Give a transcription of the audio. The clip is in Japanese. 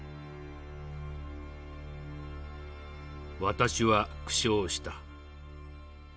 「私は苦笑した。